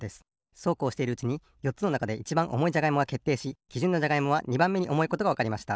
そうこうしているうちによっつのなかでいちばんおもいじゃがいもがけっていしきじゅんのじゃがいもは２ばんめにおもいことがわかりました。